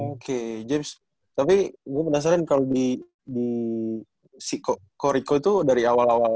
oke james tapi gue penasaran kalau di si coach rico itu dari mana